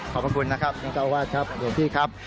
ขอบคุณนะครับท่านเจ้าวาดครับหลวงพี่ครับ